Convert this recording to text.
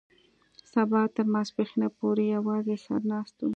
سبا تر ماسپښينه پورې يوازې سر ناست وم.